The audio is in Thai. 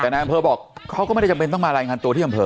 แต่นายอำเภอบอกเขาก็ไม่ได้จำเป็นต้องมารายงานตัวที่อำเภอ